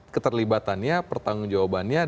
keterlibatannya pertanggung jawabannya